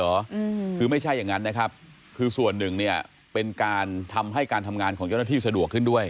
อืมคือไม่ใช่อย่างงั้นนะครับคือส่วนหนึ่งเนี้ยเป็นการทำให้การทำงานของเจ้าหน้าที่สะดวกขึ้นด้วย